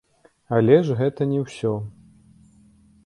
Але ж гэта не ўсё!